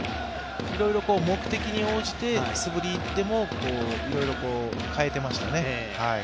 いろいろ目的に応じて素振りでも、いろいろ変えてましたね。